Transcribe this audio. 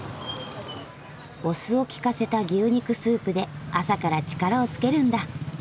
お酢をきかせた牛肉スープで朝から力をつけるんだ。